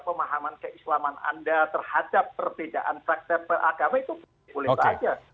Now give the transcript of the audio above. pemahaman keislaman anda terhadap perbedaan praktek agama itu boleh saja